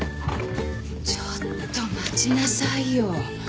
ちょっと待ちなさいよ。